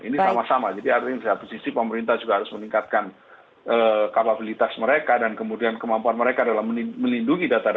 ini sama sama jadi artinya di satu sisi pemerintah juga harus meningkatkan kapabilitas mereka dan kemudian kemampuan mereka dalam melindungi data data